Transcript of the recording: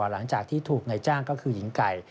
หลังจากที่ถูกนายจ้างก็คือหญิงไก่